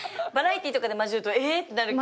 バラエティーとかで交じるとええ！